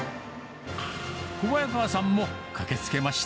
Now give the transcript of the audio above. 小早川さんも駆けつけました。